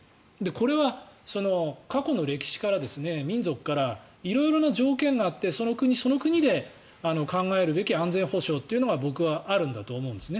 これは過去の歴史から、民族から色々な条件があってその国その国で考えるべき安全保障というのが僕はあるんだと思うんです。